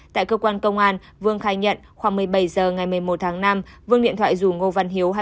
tại cơ quan công an vương khai nhận khoảng một mươi bảy h ngày một mươi một tháng năm vương điện thoại rủ ngô văn hiếu